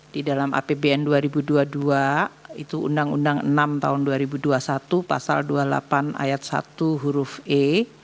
di dalam apbn dua ribu dua puluh dua itu undang undang enam tahun dua ribu dua puluh satu pasal dua puluh delapan ayat satu huruf e